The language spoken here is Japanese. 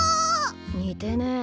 似てねえ。